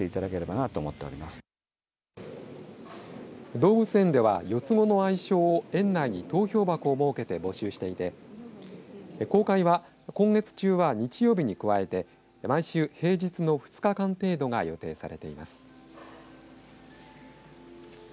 動物園では４つ子の愛称を園内に投票箱を設けて募集していて公開は今月中は日曜日に加えて毎週平日の２日間程度が予定されています。